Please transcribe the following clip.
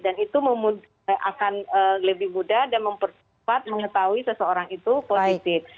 dan itu akan lebih mudah dan mempercepat mengetahui seseorang itu positif